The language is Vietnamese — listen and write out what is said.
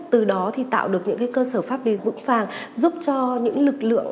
từ đó thì tạo được những cơ sở pháp lý vững vàng giúp cho những lực lượng